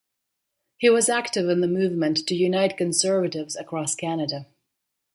He was active in the movement to unite Conservatives across Canada.